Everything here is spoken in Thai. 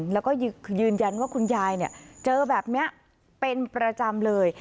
แล้วก็ยืนยันว่าคุณยายเจอแบบนี้เป็นประจำเลย